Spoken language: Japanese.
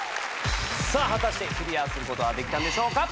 果たしてクリアすることはできたんでしょうか。